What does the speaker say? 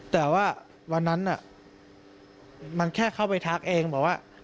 แต่ว่าวันนั้นมันแค่เข้าไปทักเองบอกว่า